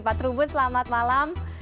pak trubus selamat malam